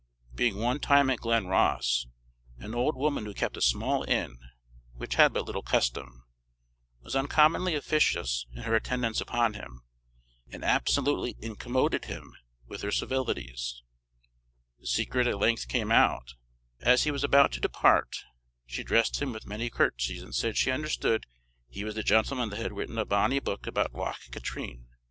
Being one time at Glenross, an old woman who kept a small inn, which had but little custom, was uncommonly officious in her attendance upon him, and absolutely incommoded him with her civilities. The secret at length came out. As he was about to depart, she addressed him with many curtsies, and said she understood he was the gentleman that had written a bonnie book about Loch Katrine.